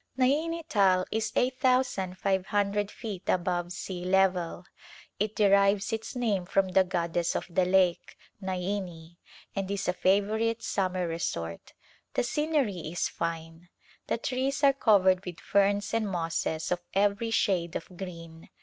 Naini Tal is 8,500 feet above sea level ; it derives its name from the goddess of the lake — Naini — and is a favorite summer resort. The scenery is fine. The trees are covered with ferns and mosses of everv shade of green.